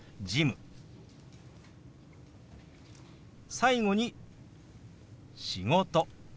最後に「仕事」。